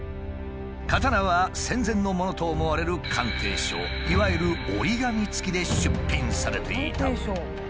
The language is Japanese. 刀は戦前のものと思われる鑑定書いわゆる折り紙付きで出品されていた。